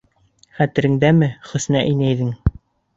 Хәтереңдәме, Хөснә инәйҙең.